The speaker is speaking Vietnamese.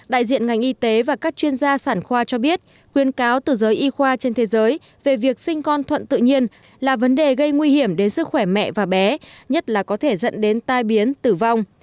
đại diện ngành y tế và các chuyên gia sản khoa cho biết khuyên cáo từ giới y khoa trên thế giới về việc sinh con thuận tự nhiên là vấn đề gây nguy hiểm đến sức khỏe mẹ và bé nhất là có thể dẫn đến tai biến tử vong